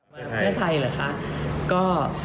ในไทยเหรอคะก็